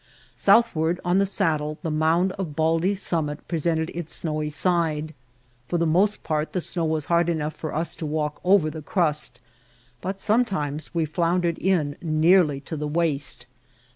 Southward on the saddle the mound of Baldy's summit presented its snowy side. For the most part the snow was hard enough for us to walk over the crust, but sometimes we floundered in nearly to the waist.